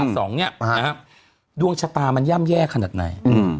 ที่๒เนี่ยดวงชะตามันย่ำแย่ขนาดไหน